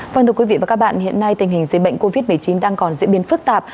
vâng thưa quý vị và các bạn hiện nay tình hình dịch bệnh covid một mươi chín đang còn diễn biến phức tạp